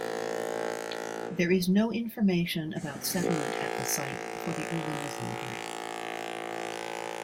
There is no information about settlement at the site for the Early Muslim period.